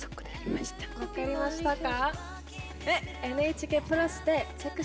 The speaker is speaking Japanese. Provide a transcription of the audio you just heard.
分かりましたか？